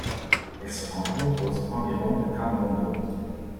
Elle se rencontre aux environs de Cambondo.